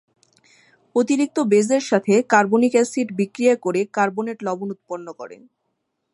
অতিরিক্ত বেস এর সাথে, কার্বনিক অ্যাসিড বিক্রিয়া করে কার্বনেট লবণ উৎপন্ন করে।